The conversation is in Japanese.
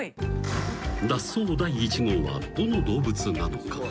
［脱走第１号はどの動物なのか？］